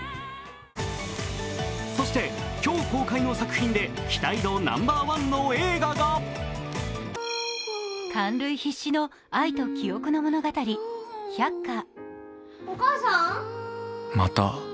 そして、今日公開の作品で、期待度ナンバーワンの映画が感涙必至の、愛と記憶の物語「百花」。